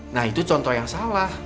nah itu contoh yang salah